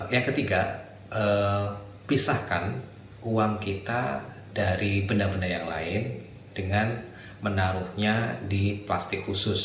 yang ketiga pisahkan uang kita dari benda benda yang lain dengan menaruhnya di plastik khusus